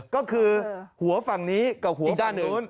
ก็คือหัวฝั่งนี้กับหัวฝั่งอื่น